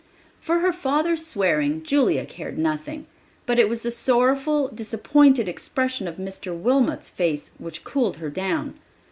For her father's swearing Julia cared nothing, but it was the sorrowful, disappointed expression of Mr. Wilmot's face which cooled her down.